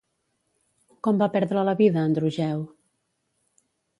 Com va perdre la vida Androgeu?